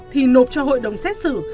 thì nộp cho hội đồng xét xử